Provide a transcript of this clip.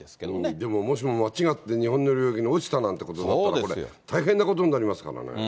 でももしも間違って、日本の領域に落ちたなんてことになったら、これ、大変なことになりますからね。